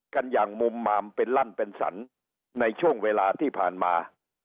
กันอย่างมุมมามเป็นล่ำเป็นสรรในช่วงเวลาที่ผ่านมา